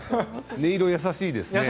音色が優しいですね